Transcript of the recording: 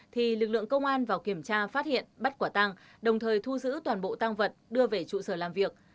thì lực lượng công an vào kiểm tra phát hiện bắt quả tăng đồng thời thu giữ toàn bộ tăng vật đưa về trụ sở làm việc